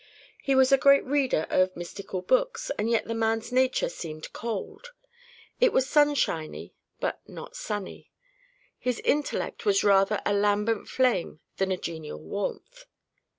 He was a great reader of mystical books, and yet the man's nature seemed cold. It was sunshiny, but not sunny. His intellect was rather a lambent flame than a genial warmth.